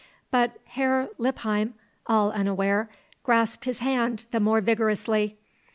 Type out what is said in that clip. But Herr Lippheim, all unaware, grasped his hand the more vigorously.